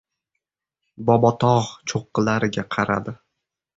Bobotog‘ cho‘qqilariga qaradi.